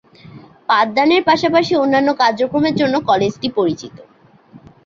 পাঠদানের পাশাপাশি অন্যান্য কার্যক্রমের জন্য কলেজটি পরিচিত।